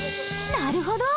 なるほど！